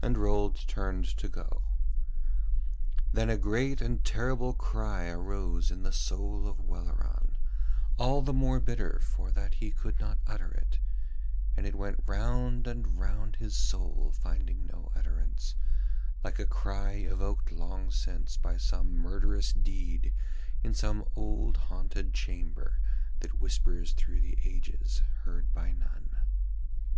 And Rold turned to go. Then a great and terrible cry arose in the soul of Welleran, all the more bitter for that he could not utter it, and it went round and round his soul finding no utterance, like a cry evoked long since by some murderous deed in some old haunted chamber that whispers through the ages heard by none.